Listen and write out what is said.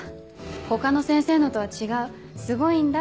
「他の先生のとは違うすごいんだ」